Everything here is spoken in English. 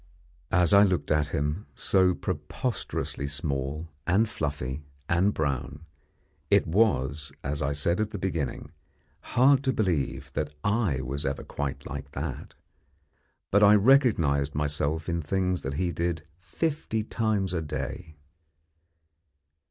As I looked at him, so preposterously small, and fluffy, and brown, it was, as I said at the beginning, hard to believe that I was ever quite like that. But I recognised myself in things that he did fifty times a day.